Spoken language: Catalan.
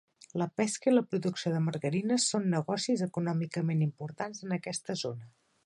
La pesca i la producció de margarina són negocis econòmicament importants en aquesta zona.